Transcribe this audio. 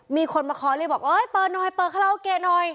มีคนมาขอเลยบอกเอ้ยเปิดหน่อยเปิดคาราโอเกะหน่อย